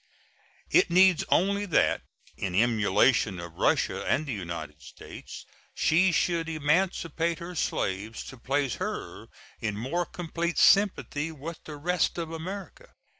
It needs only that, in emulation of Russia and the United States, she should emancipate her slaves to place her in more complete sympathy with the rest of America.